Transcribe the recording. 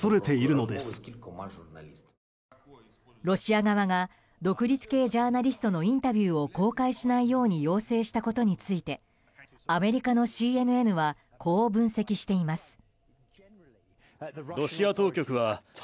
ロシア側が独立系ジャーナリストのインタビューを公開しないように要請したことについてアメリカのＣＮＮはこう分析しています。